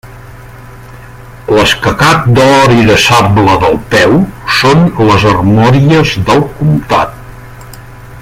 L'escacat d'or i de sable del peu són les armories del comtat.